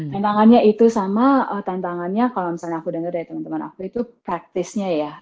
tantangannya itu sama tantangannya kalau misalnya aku dengar dari teman teman aku itu praktisnya ya